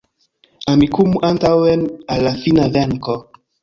Amikumu antaŭen al la fina venko